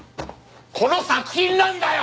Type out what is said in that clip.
この作品なんだよ！